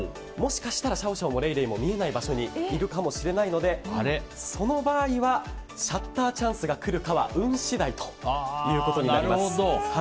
もしかしたらシャオシャオもレイレイも見えない場所にいるかもしれないのでその場合はシャッターチャンスが来るか運次第ということになります。